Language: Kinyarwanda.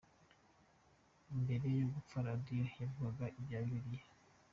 Mbere yo gupfa Radio yavugaga ibya Bibiliya.